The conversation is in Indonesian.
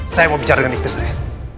saya mau bicara dengan istri saya